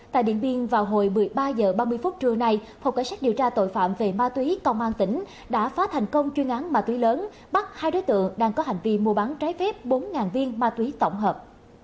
tại điện biên vào hồi một mươi ba h ba mươi phút trưa nay phòng cảnh sát điều tra tội phạm về ma túy công an tỉnh đã phá thành công chuyên án ma túy lớn bắt hai đối tượng đang có hành vi mua bán trái phép bốn viên ma túy tổng hợp